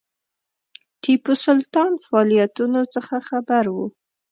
ټیپو سلطان فعالیتونو څخه خبر وو.